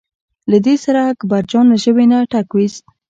له دې سره اکبرجان له ژبې نه ټک وویست.